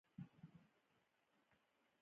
اوله کې وکوړنجېده کله چې یې حلالاوه خو غلی نه شو.